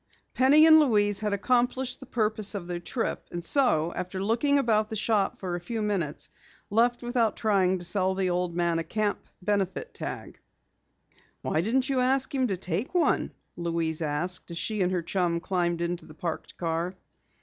Penny and Louise had accomplished the purpose of their trip, and so, after looking about the shop for a few minutes, left without trying to sell the old man a camp benefit tag. "Why didn't you ask him to take one?" Louise asked as she and her chum climbed into the parked car.